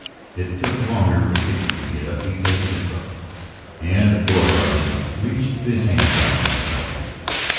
It took longer for Dickie to get up because of the crutch, and Lord Arden reached his hand down to help him.